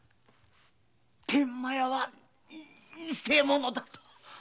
天満屋は偽者だと！